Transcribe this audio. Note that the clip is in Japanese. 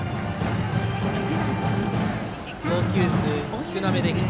投球数少なめできて